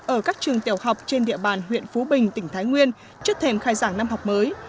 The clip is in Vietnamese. ở các trường tiểu học trên địa bàn huyện phú bình tỉnh thái nguyên trước thềm khai giảng năm học mới